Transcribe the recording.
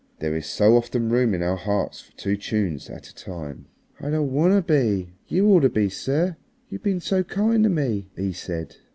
There is so often room in our hearts for two tunes at a time. "I don't want to be. You ought to be, sir. You've been so kind to me," he said.